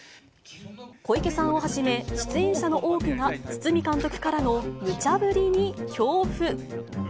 小池さんをはじめ、出演者の多くが、堤監督からのむちゃ振りに恐怖。